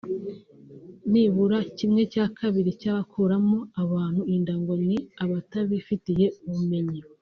nibura ½ cy’abakuramo abantu inda ngo ni abatabifitiye ubumenyi